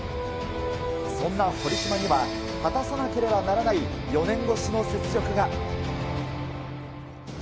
そんな堀島には、果たさなければならない４年越しの雪辱が。